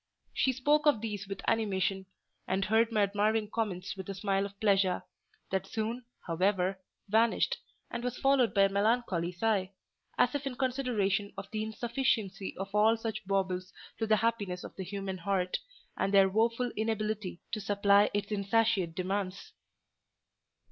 She spoke of these with animation, and heard my admiring comments with a smile of pleasure: that soon, however, vanished, and was followed by a melancholy sigh; as if in consideration of the insufficiency of all such baubles to the happiness of the human heart, and their woeful inability to supply its insatiate demands.